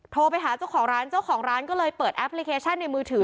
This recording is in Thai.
โทรไปหาเจ้าของร้านเจ้าของร้านก็เลยเปิดแอปพลิเคชันในมือถือ